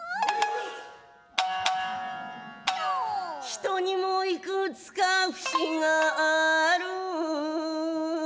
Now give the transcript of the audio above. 「人にも幾つか節がある」